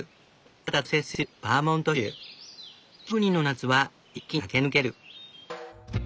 北国の夏は一気に駆け抜ける。